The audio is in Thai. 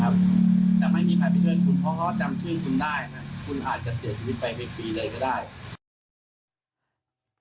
จะไม่มีใครเพื่อนคุณเพราะเขาจำชื่นคุณได้นะคุณอาจจะเสียชีวิตไปเป็นปีเลยก็ได้